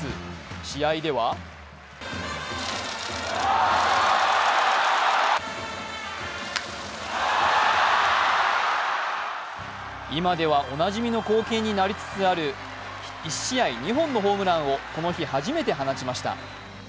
試合では今ではおなじみの光景になりつつある１試合２本のホームランをこの日、初めて放ちました。